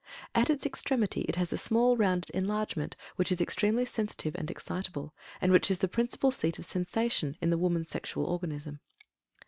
At its extremity it has a small rounded enlargement which is extremely sensitive and excitable, and which is the principal seat of sensation in the woman's sexual organism.